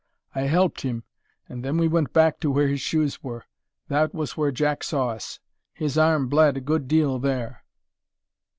I helped him and then we went back to where his shoes were. That was where Jack saw us. His arm bled a good deal there."